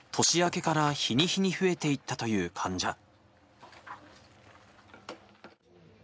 年明けから日に日に増えていったという患者。